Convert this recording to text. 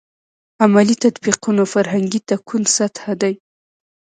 عملي تطبیقولو فرهنګي تکون سطح دی.